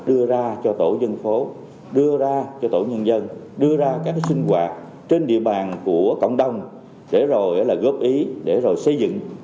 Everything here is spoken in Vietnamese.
đưa ra cho tổ dân phố đưa ra cho tổ nhân dân đưa ra các sinh hoạt trên địa bàn của cộng đồng để rồi góp ý để rồi xây dựng